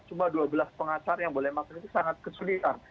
cuma dua belas pengacara yang boleh makan itu sangat kesulitan